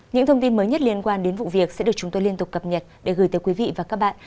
những thông tin mới nhất liên quan đến vụ việc sẽ được chúng tôi liên tục cập nhật để gửi tới quý vị và các bạn